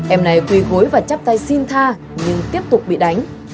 em này quỳ gối và chắp tay xin tha nhưng tiếp tục bị đánh